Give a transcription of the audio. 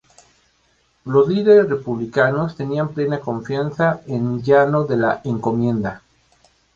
Los líderes republicanos tenían plena confianza en Llano de la Encomienda.